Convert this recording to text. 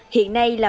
hiện nay là